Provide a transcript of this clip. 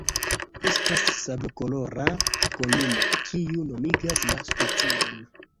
Estas sablokolora kolumo, kiu nomigas la specion.